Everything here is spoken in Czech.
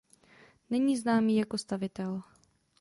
Není známý jeho stavitel.